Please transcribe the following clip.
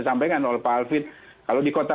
sampaikan oleh pak alvin kalau di kota